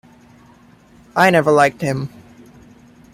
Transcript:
I never liked him.